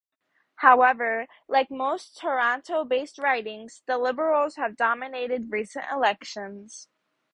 However, like most Toronto-based ridings, the Liberals have dominated recent elections.